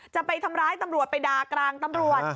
จะไปทำร้ายตำรวจไปด่ากลางตำรวจ